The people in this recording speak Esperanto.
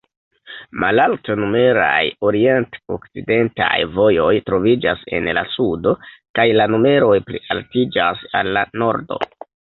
Malalt-numeraj orient-okcidentaj vojoj troviĝas en la sudo, kaj la numeroj plialtiĝas al la nordo.